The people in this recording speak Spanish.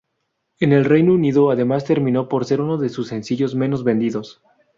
En el Reino Unido además terminó por ser uno de sus sencillos menos vendidos.